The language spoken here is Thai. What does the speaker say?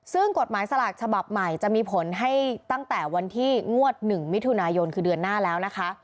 ซึ่งกฎหมายสลากฉบับใหม่จะมีผลให้ตั้งแต่วันที่งวด๑มิถุนายนคือเดือนหน้าแล้วนะคะ